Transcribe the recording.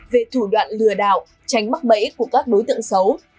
về thủ đoạn lừa đảo tránh mắc bẫy của các đối tượng xấu